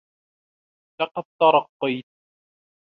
لقد ترقيت